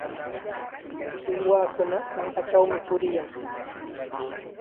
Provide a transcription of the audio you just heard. Uywakunaqa pampakunachawmi puriyan.